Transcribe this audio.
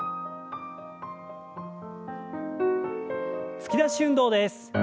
突き出し運動です。